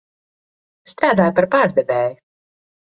Strādāju par pārdevēju.